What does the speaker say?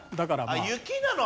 雪なの？